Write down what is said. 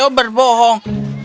kau tidak bisa berbohong